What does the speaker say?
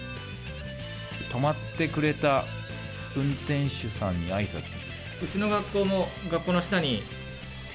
止まってくれた運転手さんにあいさつ。